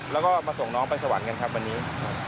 แล้วก็มาส่งน้องไปสวรรค์กันครับวันนี้